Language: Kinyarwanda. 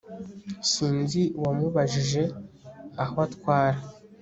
Sinzi uwamubajije aho atwara